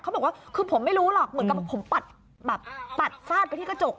บอกว่าคือผมไม่รู้หรอกเหมือนกับผมปัดแบบปัดฟาดไปที่กระจก